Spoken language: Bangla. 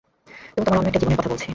তুমি তোমার অন্য একটা জীবনের কথা বলছি।